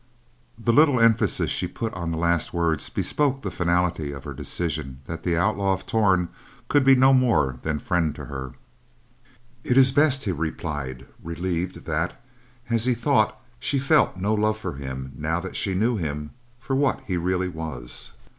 The little emphasis she put upon the last word bespoke the finality of her decision that the Outlaw of Torn could be no more than friend to her. "It is best," he replied, relieved that, as he thought, she felt no love for him now that she knew him for what he really was.